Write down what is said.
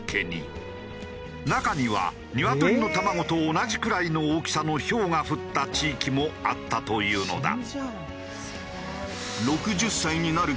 中には鶏の卵と同じくらいの大きさの雹が降った地域もあったというのだ。